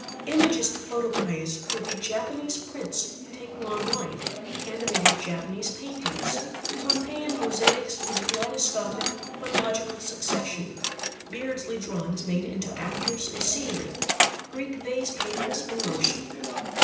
Imagist photoplays would be Japanese prints taking on life, animated Japanese paintings, Pompeian mosaics in kaleidoscopic but logical succession, Beardsley drawings made into actors and scenery, Greek vase paintings in motion.